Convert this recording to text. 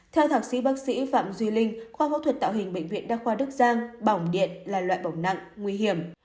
theo thạc sĩ bác sĩ phạm duy linh khoa phẫu thuật tạo hình bệnh viện đa khoa đức giang bỏng điện là loại bỏng nặng nguy hiểm